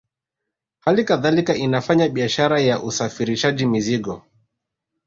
Hali kadhalika anafanya biashara ya usafirishaji mizigo